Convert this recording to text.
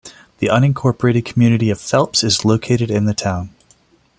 The unincorporated community of Phelps is located in the town.